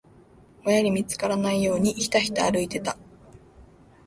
親に見つからないよう、ひたひた歩いてた。